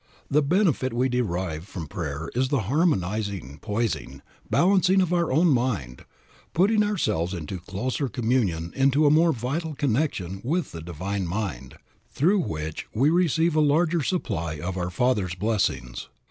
The benefit we derive from prayer is the harmonizing poising, balancing of our own mind, putting ourselves into closer communion into a more vital connection with the Divine Mind, through which we receive a larger supply of our Father's blessings.